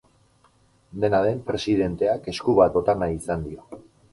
Dena den, presidenteak esku bat bota nahi izan dio.